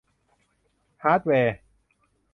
ฮาร์ดแวร์